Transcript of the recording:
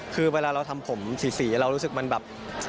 คือเวลาเราทำผมสีเรารู้สึกมันแบบ